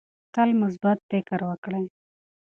تل مثبت فکر وکړئ.